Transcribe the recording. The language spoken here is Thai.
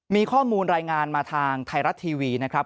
มีข้อมูลรายงานมาทางไทยรัฐทีวีนะครับ